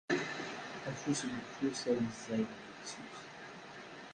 Afus deg fus, ayen ẓẓayen ad yifsus.